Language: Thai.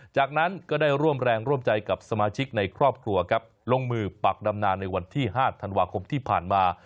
จากนั้นก็ได้ร่วมแรงร่วมใจกับสมาชิกในครอบครัวครับลงมือปักดำนานในวันที่๕ธันวาคมที่ผ่านมา